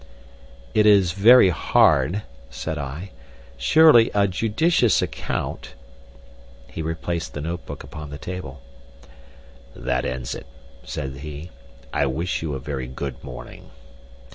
"It is very hard," said I. "Surely a judicious account " He replaced the notebook upon the table. "That ends it," said he. "I wish you a very good morning."